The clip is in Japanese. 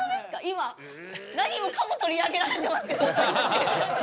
今何もかも取り上げられてますけど私たち。